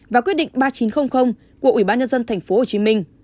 và quyết định ba nghìn chín trăm linh của ủy ban nhân dân tp hcm